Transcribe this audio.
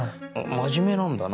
真面目なんだな。